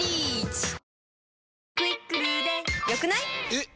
えっ！